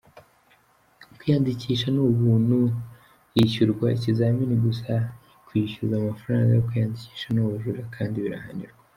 Kwiyandisha ni ubuntu, hishyurirwa ikizamini gusa, kwishyuza amafaranga yo kwiyandikisha ni ubujura kandi birahanirwa.